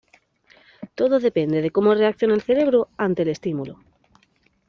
Todo depende de cómo reaccione el cerebro ante el estímulo.